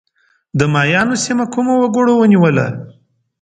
د مایایانو سیمه کومو وګړو ونیوله؟